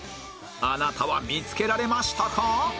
あなたは見つけられましたか？